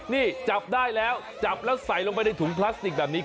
นี่จับได้แล้วจับแล้วใส่ลงไปในถุงพลาสติกแบบนี้